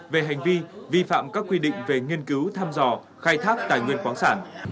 về hành vi vi phạm các quy định về nghiên cứu thăm dò khai thác tài nguyên khoáng sản